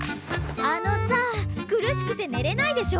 あのさ苦しくてねれないでしょ！